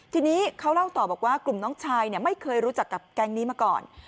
ทีนี้เขาเล่าต่อบอกว่ากลุ่มน้องชายไม่เคยรู้จักกับแก๊งนี้มาก่อน